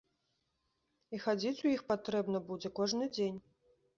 І хадзіць у іх патрэбна будзе кожны дзень.